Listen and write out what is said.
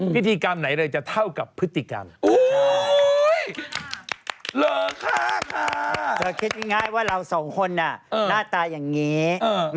พิธีกรรมไหนเลยจะเท่ากับพฤติกรรม